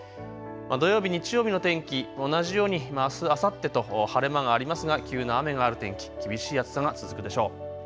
土曜日日曜日の天気、同じようにあすあさってと晴れ間がありますが急な雨がある天気、厳しい暑さが続くでしょう。